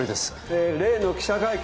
えー例の記者会見。